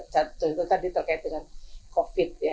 contohnya tadi terkait dengan covid sembilan belas